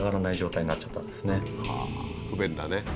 不便だね。